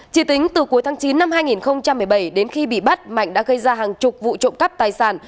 chỉ tính từ cuối tháng chín năm hai nghìn một mươi bảy đến khi bị bắt mạnh đã gây ra hàng chục vụ trộm cắp tài sản